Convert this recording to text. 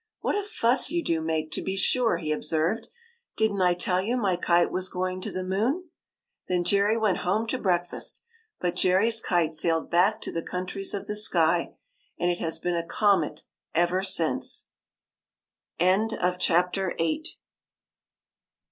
'' What a fuss you do make, to be sure !" he observed. '' Did n't I tell you my kite was going to the moon ?" Then Jerry went home to breakfast; but Jerry's kite sailed back to the countries of the sky, and it has been a comet ever since.